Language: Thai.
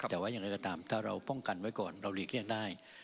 แต่ว่าอย่างไรก็ตามถ้าเราป้องกันไว้ก่อนเราหลีกเลี่ยงได้